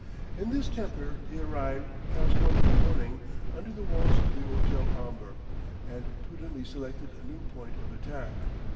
In this temper he arrived, past one in the morning, under the walls of the hôtel Omber, and prudently selected a new point of attack.